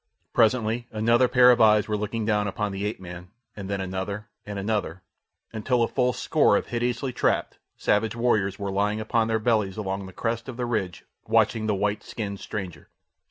Presently another pair of eyes were looking down upon the ape man, and then another and another, until a full score of hideously trapped, savage warriors were lying upon their bellies along the crest of the ridge watching the white skinned stranger.